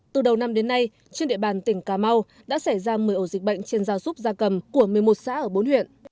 từ đầu năm đến nay trên địa bàn tỉnh cà mau đã xảy ra một mươi ổ dịch bệnh trên gia súc gia cầm của một mươi một xã ở bốn huyện